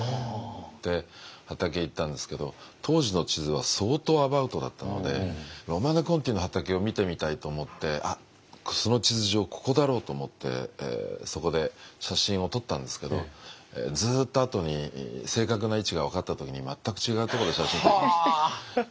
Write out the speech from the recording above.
で畑行ったんですけど当時の地図は相当アバウトだったのでロマネコンティの畑を見てみたいと思ってその地図上ここだろうと思ってそこで写真を撮ったんですけどずっとあとに正確な位置が分かった時に全く違うところで写真を撮っていました。